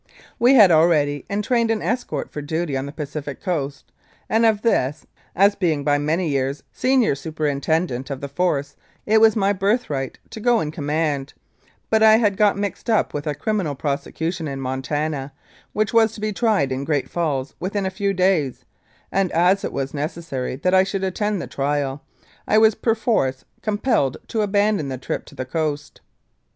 We had already entrained an escort for duty on the Pacific Coast, and of this, as being by many years senior superintendent of the Force, it was my birthright to go in command, but I had got mixed up with a criminal prosecution in Montana, which was to be tried in Great Falls within a few days, and, as it was neces sary that I should attend the trial, I was perforce compelled to abandon the trip to the coast.